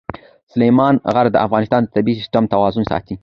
سلیمان غر د افغانستان د طبعي سیسټم توازن ساتي.